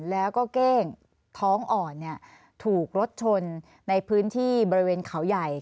แล้วก็เก้งท้องอ่อนถูกรถชนในพื้นที่บริเวณเขาใหญ่